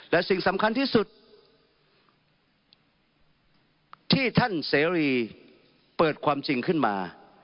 และสิ่งสำคัญที่สุดที่ท่านเสรีเปิดความจริงขึ้นมา